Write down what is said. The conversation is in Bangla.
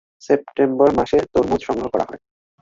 সেপ্টেম্বর মাসে তরমুজ সংগ্রহ করা হয়।